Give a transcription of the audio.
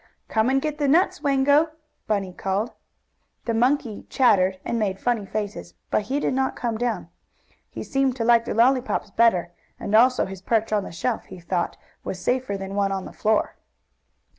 "Come and get the nuts, Wango!" Bunny called. The monkey chattered, and made funny faces, but he did not come down. He seemed to like the lollypops better, and, also, his perch on the shelf, he thought, was safer than one on the floor.